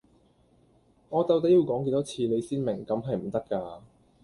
我到底要講幾多次你先明咁係唔得架